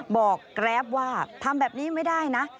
แกรฟว่าทำแบบนี้ไม่ได้นะ